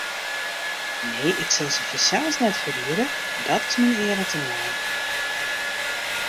Nee, ik sil se fansels net ferriede, dat is myn eare tenei.